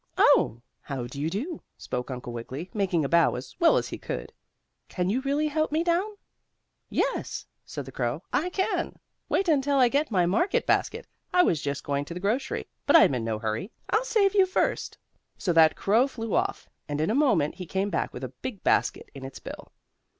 "Oh, how do you do!" spoke Uncle Wiggily, making a bow as well as he could. "Can you really help me down?' "Yes," said the crow, "I can. Wait until I get my market basket. I was just going to the grocery, but I'm in no hurry. I'll save you first." So that crow flew off, and in a moment he came back with a big basket in its bill.